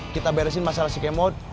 kita beresin masalah si kemot